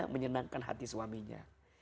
menyenangkan hati suaminya